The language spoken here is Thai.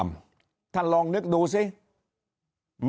ครอบครัวนี้เขาไปร้องเรียนขอความเป็นธรรม